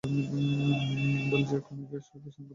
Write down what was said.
বেলিজীয় comic strip শিল্পকলা কেন্দ্র একটি ব্যতিক্রমী জাদুঘর।